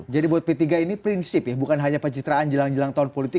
jadi buat p tiga ini prinsip ya bukan hanya pencitraan jelang jelang tahun politik